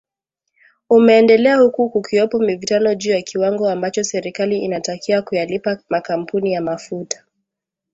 umeendelea huku kukiwepo mivutano juu ya kiwango ambacho serikali inatakiwa kuyalipa makampuni ya mafuta